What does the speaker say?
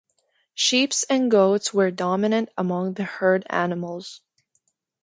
Sheep and goats were dominant among the herd animals.